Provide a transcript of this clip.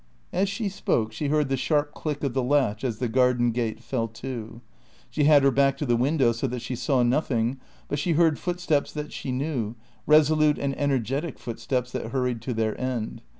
As she spoke she heard the sharp click of the latch as the garden gate fell to; she had her back to the window so that she saw nothing, but she heard footsteps that she knew, resolute and energetic footsteps that hurried to their end.